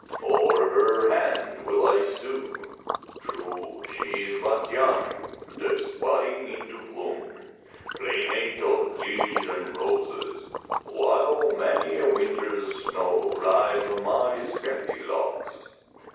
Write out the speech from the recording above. "For her hand will I sue. True, she is but young, just budding into bloom, playmate of lilies and roses, while many a winter's snow lies on my scanty locks.